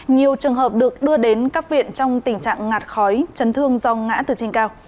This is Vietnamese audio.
nhiều trường hợp được đưa đến các viện trong tình trạng ngạt khói chấn thương do ngã từ trên cao